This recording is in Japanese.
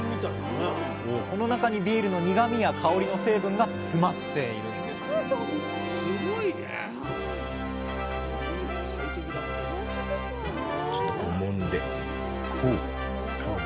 この中にビールの苦みや香りの成分が詰まっているんですちょっとこうもんで香り。